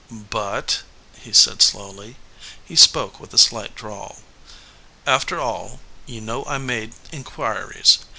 "But," he said, slowly he spoke with a slight drawl "after all, you know I made inquiries.